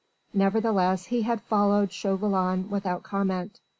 Nevertheless he had followed Chauvelin without comment.